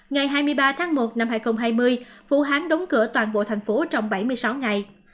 ngày hai mươi ba tháng một năm hai nghìn hai mươi vũ hán đóng cửa toàn bộ thành phố trong bảy mươi sáu ngày